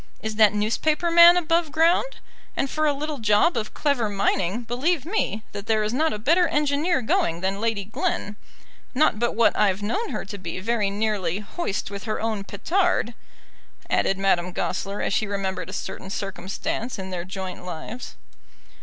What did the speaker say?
Is that newspaper man above ground? And for a little job of clever mining, believe me, that there is not a better engineer going than Lady Glen; not but what I've known her to be very nearly 'hoist with her own petard,'" added Madame Goesler, as she remembered a certain circumstance in their joint lives.